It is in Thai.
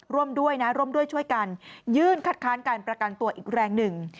ร่วมด้วยนะร่วมด้วยช่วยกันยื่นคัดค้านการประกันตัวอีกแรงหนึ่ง